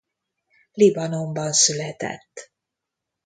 Libanonban született.